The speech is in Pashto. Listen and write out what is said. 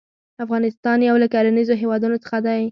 افغانستان يو له کرنيزو هيوادونو څخه دى.